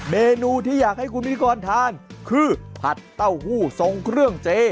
เมนูที่อยากให้คุณพิธีกรทานคือผัดเต้าหู้ทรงเครื่องเจ